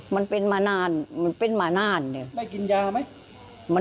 มันเป็นมานานได้กินยาไหม